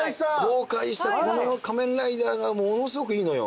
公開したこの仮面ライダーがものすごくいいのよ。